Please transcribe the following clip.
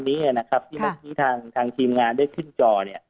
ที่เมื่อกี้ทางทีมงานได้ขึ้นจอ